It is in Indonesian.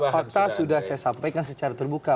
fakta sudah saya sampaikan secara terbuka